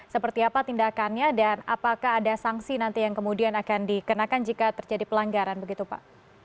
seperti apa tindakannya dan apakah ada sanksi nanti yang kemudian akan dikenakan jika terjadi pelanggaran begitu pak